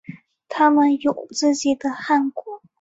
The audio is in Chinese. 他们有自己的汗国。